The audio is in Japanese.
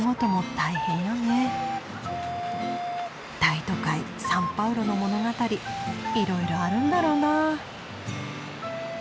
大都会サンパウロの物語いろいろあるんだろうな。